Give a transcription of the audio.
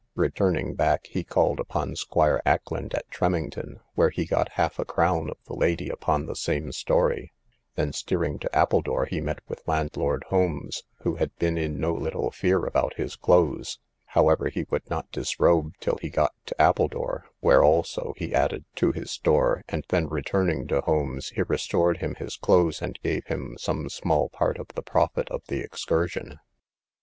Returning back, he called upon Squire Ackland, at Tremington, where he got half a crown of the lady upon the same story; then, steering to Appledore, he met with landlord Holmes, who had been in no little fear about his clothes; however, he would not disrobe till he got to Appledore, where also he added to his store, and then returning to Holmes, he restored him his clothes, and gave him some small part of the profit of the excursion.